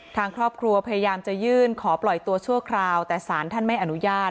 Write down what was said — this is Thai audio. ทางครอบครัวพยายามจะยื่นขอปล่อยตัวชั่วคราวแต่สารท่านไม่อนุญาต